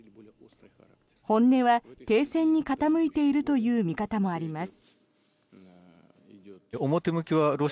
本音は停戦に傾いているという見方もあります。